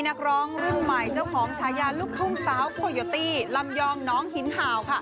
อยากมีรักเธอแค่ลมดวงใจ